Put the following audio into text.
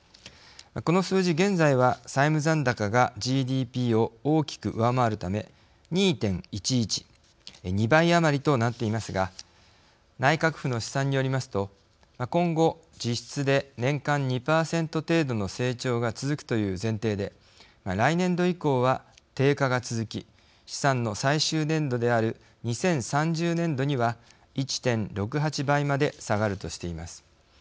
この数字現在は債務残高がＧＤＰを大きく上回るため２．１１２倍余りとなっていますが内閣府の試算によりますと今後実質で年間２％程度の成長が続くという前提で来年度以降は低下が続き試算の最終年度である２０３０年度には１．６８倍まで下がるとしています。